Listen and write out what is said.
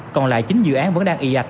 còn lại chín dự án vẫn đang ị ạch